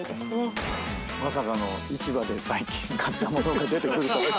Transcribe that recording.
まさかの市場で最近買った物が出てくるとは。